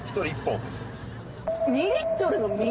２リットルの水？